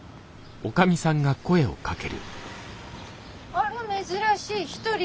あれ珍しい１人？